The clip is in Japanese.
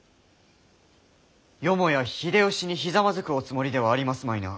よもや秀吉にひざまずくおつもりではありますまいな？